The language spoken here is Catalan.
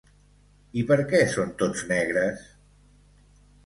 I per què són tots negres?